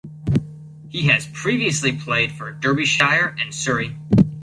He has previously played for Derbyshire and Surrey.